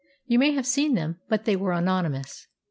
You may have seen them, but they were anonymous.